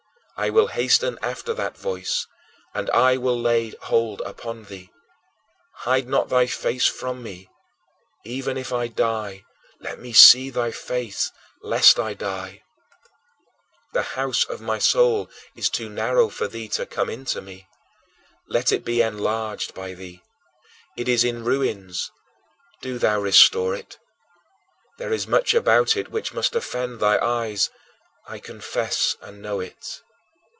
I will hasten after that voice, and I will lay hold upon thee. Hide not thy face from me. Even if I die, let me see thy face lest I die. 6. The house of my soul is too narrow for thee to come in to me; let it be enlarged by thee. It is in ruins; do thou restore it. There is much about it which must offend thy eyes; I confess and know it.